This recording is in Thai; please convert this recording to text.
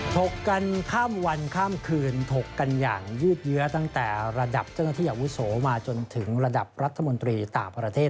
กกันข้ามวันข้ามคืนถกกันอย่างยืดเยื้อตั้งแต่ระดับเจ้าหน้าที่อาวุโสมาจนถึงระดับรัฐมนตรีต่างประเทศ